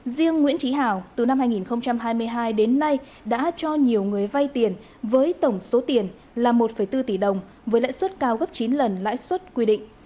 riêng nguyễn trí hào từ năm hai nghìn hai mươi hai đến nay đã cho nhiều người vay tiền với tổng số tiền là một bốn tỷ đồng với lãi suất cao gấp chín lần lãi suất quy định